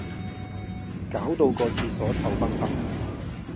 攪到個廁所臭崩崩